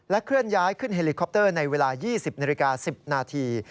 เคลื่อนย้ายขึ้นเฮลิคอปเตอร์ในเวลา๒๐นาฬิกา๑๐นาที